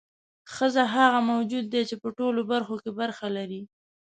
ښځه هغه موجود دی چې په ټولو برخو کې برخه لري.